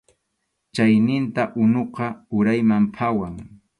Chayninta unuqa urayman phawan.